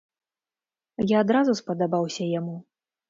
Я адразу спадабаўся яму.